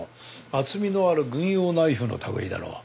厚みのある軍用ナイフの類いだろう。